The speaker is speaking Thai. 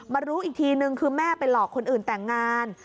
รู้อีกทีนึงคือแม่ไปหลอกคนอื่นแต่งงาน